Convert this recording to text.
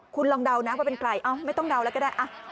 คุณลองเดานะว่าเป็นใครไม่ต้องเดาแล้วก็ได้